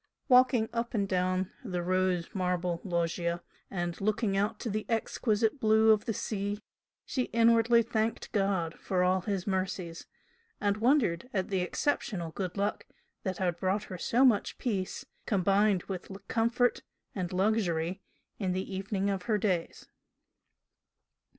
Walking up and down the rose marble loggia and looking out to the exquisite blue of the sea, she inwardly thanked God for all His mercies, and wondered at the exceptional good luck that had brought her so much peace, combined with comfort and luxury in the evening of her days.